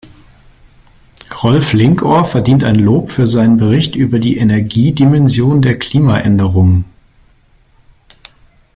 Rolf Linkohr verdient ein Lob für seinen Bericht über die Energiedimension der Klimaänderungen.